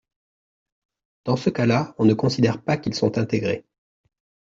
Dans ce cas-là, on ne considère pas qu’ils sont intégrés.